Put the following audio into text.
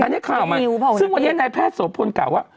อันนี้ข่าวมาซึ่งวันนี้นายแพทย์โสพลกล่าวว่า